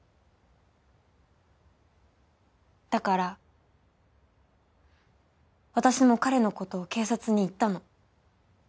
だから私も彼の事を警察に言ったの。